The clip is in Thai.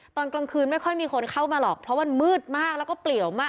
ตอนกลางคืนไม่ค่อยมีคนเข้ามาหรอกเพราะมันมืดมากแล้วก็เปลี่ยวมาก